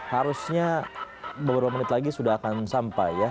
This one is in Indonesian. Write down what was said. harusnya beberapa menit lagi sudah akan sampai ya